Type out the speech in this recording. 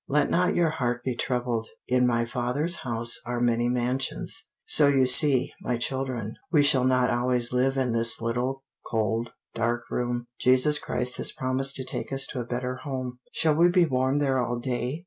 'Let not your heart be troubled; in my Father's house are many mansions.' So you see, my children, we shall not always live in this little, cold, dark room. Jesus Christ has promised to take us to a better home." "Shall we be warm there all day?"